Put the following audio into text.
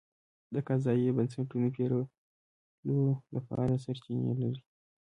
د قضایي بنسټونو پېرلو لپاره سرچینې لري.